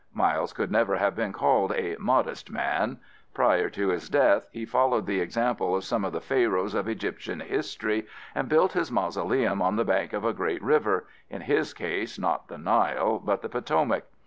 Miles could never have been called a 'modest' man. Prior to his death he followed the example of some of the Pharaohs of Egyptian history, and built his mausoleum on the bank of a great river, in his case not the Nile, but the Potomac.